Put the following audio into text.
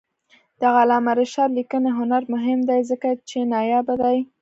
د علامه رشاد لیکنی هنر مهم دی ځکه چې نایابه دی.